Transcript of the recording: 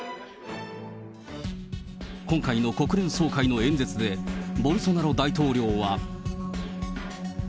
今回の国連総会の演説で、ボルソナロ大統領は。